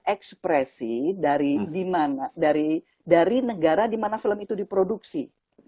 ekspresi dari dimana dari dari negara dimana film itu diproduksi